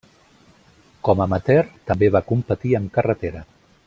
Com amateur també va competir en carretera.